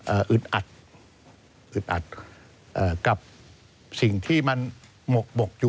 อึดอัดอึดอัดเอ่อกับสิ่งที่มันหมกบกอยู่